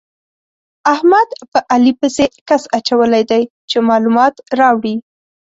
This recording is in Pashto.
احمد په علي پسې کس اچولی دی چې مالومات راوړي.